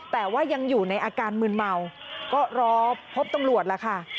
แต่ว่ายังอยู่ในอาการมืนเมาก็รอพบตำรวจล่ะค่ะ